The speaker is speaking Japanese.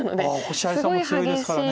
星合さんも強いですからね。